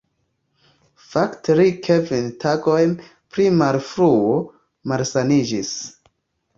Fakte li kvin tagojn pli malfrue malsaniĝis.